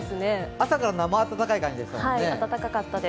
朝から生暖かい感じでしたもんね。